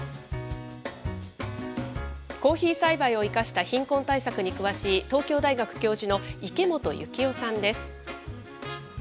コーヒー栽培を生かした貧困対策に詳しい、東京大学教授の池本幸生さんです。